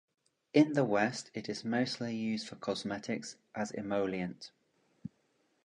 In the West it is mostly used for cosmetics as emollient.